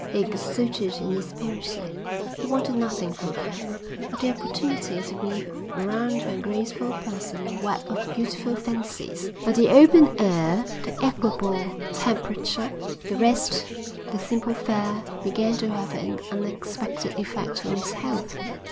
He exulted in its purity. He wanted nothing from her but the opportunity to weave around her graceful person a web of beautiful fancies. But the open air, the equable temperature, the rest, the simple fare, began to have an unexpected effect on his health.